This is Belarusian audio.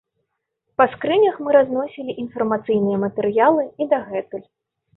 Па скрынях мы разносілі інфармацыйныя матэрыялы і дагэтуль.